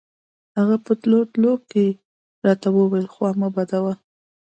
هغه په تلو تلو کښې راته وويل خوا مه بدوه.